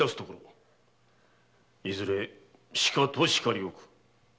いずれしかと叱りおく。